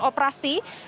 operasi yang berkualitas